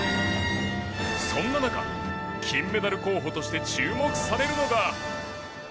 そんな中、金メダル候補として注目されるのが。